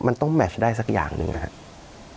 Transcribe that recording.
มันต้องแมชได้สักอย่างหนึ่งนะครับ